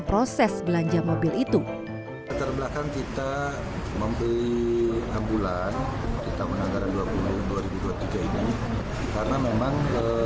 proses belanja mobil itu terbelakang kita membeli ambulans kita menganggarkan dua ribu dua puluh dua ribu dua puluh tiga ini karena memang